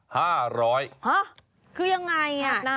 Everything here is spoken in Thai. ที่ยังไงชาติหน้า๕๐๐